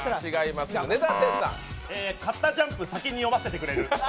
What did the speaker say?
買った「ジャンプ」先に読ませてくれる。